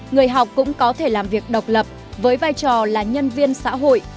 người học cũng có thể làm việc độc lập với vai trò là nhân viên xã hội